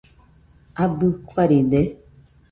¿Abɨ kuaride.?